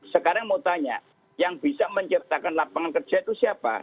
sekarang mau tanya yang bisa menciptakan lapangan kerja itu siapa